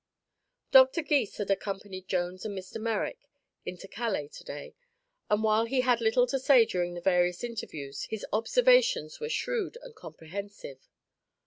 Dr. Gys had accompanied Jones and Mr. Merrick into Calais to day, and while he had little to say during the various interviews his observations were shrewd and comprehensive.